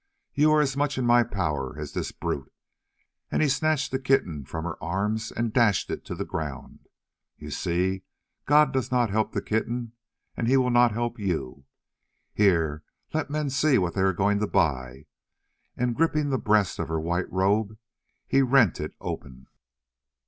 You are as much in my power as this brute," and he snatched the kitten from her arms and dashed it to the ground. "You see, God does not help the kitten, and He will not help you. Here, let men see what they are going to buy," and gripping the breast of her white robe he rent it open.